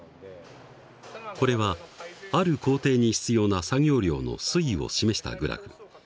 これはある工程に必要な作業量の推移を示したグラフ。